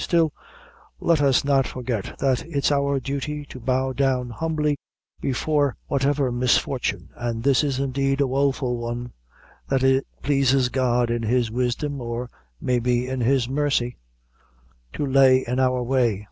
Still, let us not forget that it's our duty to bow down humbly before whatever misfortune an' this is indeed a woeful one that it pleases God in His wisdom (or, may be, in His mercy), to lay in our way.